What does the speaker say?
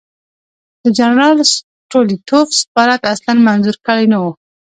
د جنرال سټولیتوف سفارت اصلاً منظور کړی نه وو.